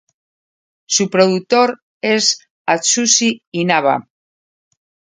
Su productor es Atsushi Inaba.